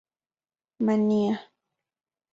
Mania